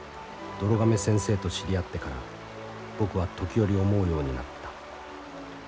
どろ亀先生と知り合ってから僕は時折思うようになった。